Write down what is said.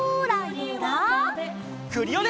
クリオネ！